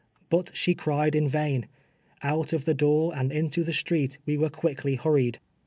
But she cried in vain. Out of the door and into the street we were cpiickly hurried.